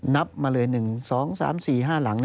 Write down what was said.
นับมาเลย๑๒๓๔๕หลัง